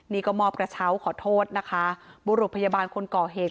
นี่ก็มอบกระเช้าขอโทษนะคะบุรุษพยาบาลคนก่อเหตุ